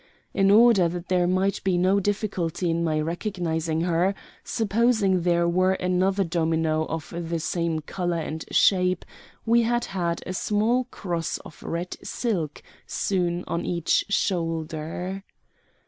In order that there might be no difficulty in my recognizing her, supposing there were another domino of the same color and shape, we had had a small cross of red silk sewn on each shoulder.